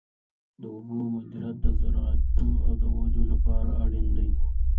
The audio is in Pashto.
د اوبو مدیریت د زراعت د ودې لپاره اړین دی.